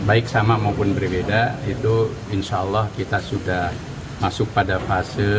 dan baik sama maupun berbeda itu insya allah kita sudah masuk pada fase